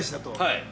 ◆はい。